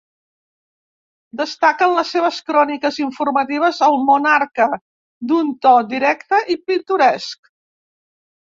Destaquen les seves cròniques informatives al monarca, d'un to directe i pintoresc.